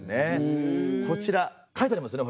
こちら書いておりますね。